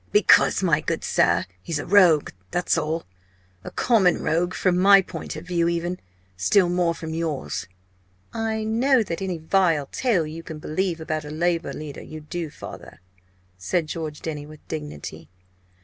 "Because, my good sir, he's a rogue, that's all! a common rogue, from my point of view even still more from yours." "I know that any vile tale you can believe about a Labour leader you do, father," said George Denny, with dignity.